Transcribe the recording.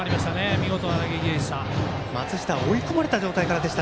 見事な打撃でした。